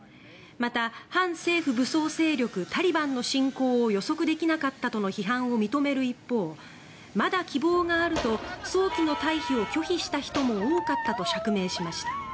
また、反政府武装勢力タリバンの進攻を予測できなかったとの批判を認める一方まだ希望があると早期の退避を拒否した人も多かったと釈明しました。